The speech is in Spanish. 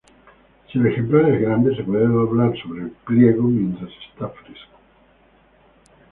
Si el ejemplar es grande se puede doblar sobre el pliego mientras está fresco.